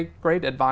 được hỏi và